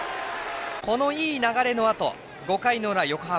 このいい流れのあと５回の裏、横浜。